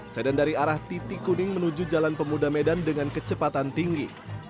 sedan dari arah titik kuning menuju jalan pemuda medan dengan kecepatan tinggi